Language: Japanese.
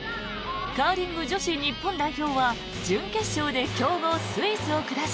カーリング女子日本代表は準決勝で強豪スイスを下し